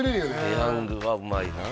ペヤングはうまいなあ